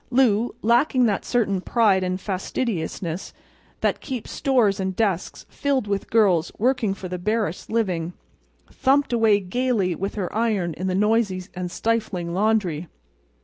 Lou, lacking that certain pride and fastidiousness that keeps stores and desks filled with girls working for the barest living, thumped away gaily with her iron in the noisy and stifling laundry.